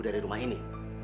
dari rumah ini